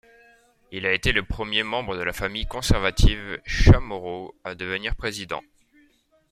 Il a été le premier membre de la famille conservative Chamorro à devenir président.